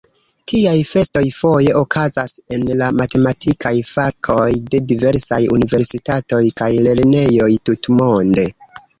Tiaj festoj foje okazas en la matematikaj fakoj de diversaj universitatoj kaj lernejoj tutmonde.